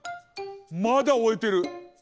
まだおえてる！